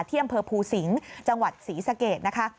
เที่ยมเผอร์ภูสิงจังหวัดศรีสะเกดนะคะ